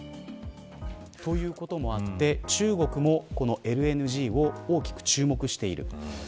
ということもあって中国も、このＬＮＧを大きく注目している。